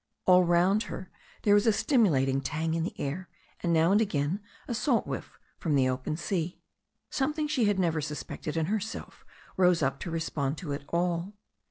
All round her there was a stimulating tang in the air, and now and again a salt whiff from the open sea. Something she had never suspected in herself rose up to respond to it all.